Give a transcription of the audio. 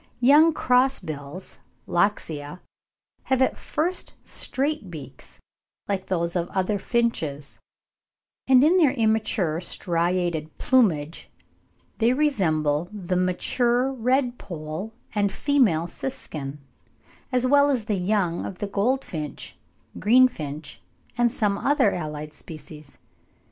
Young cross bills (Loxia) have at first straight beaks like those of other finches, and in their immature striated plumage they resemble the mature red pole and female siskin, as well as the young of the goldfinch, greenfinch, and some other allied species.